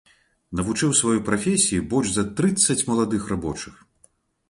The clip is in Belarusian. Навучыў сваёй прафесіі больш за трыццаць маладых рабочых.